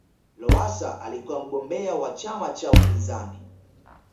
lowasa alikuwa mgombea wa chama cha upinzani